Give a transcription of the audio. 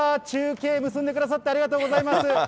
中継結んでくださってありがとうございます。